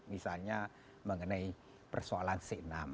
misalnya mengenai persoalan c enam